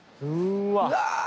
うわ。